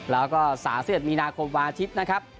แล้วก็สาเซียดมีนาคมวาทิศนะครับ